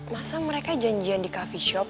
masa mereka janjian di coffee shop